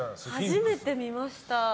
初めて見ました。